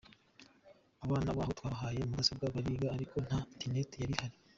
Abana baho twabahaye mudasobwa bariga, ariko nta internet yari ihari.”